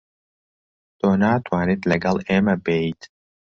تۆ ناتوانیت لەگەڵ ئێمە بێیت.